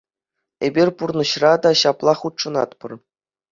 Эпир пурнӑҫра та ҫаплах хутшӑнатпӑр.